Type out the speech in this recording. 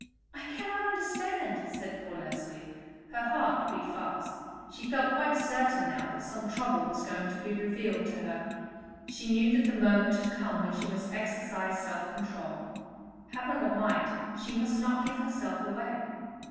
"I cannot understand," said poor Leslie. Her heart beat fast. She felt quite certain now that some trouble was going to be revealed to her; she knew that the moment had come when she must exercise self control. Happen what might, she must not give herself away.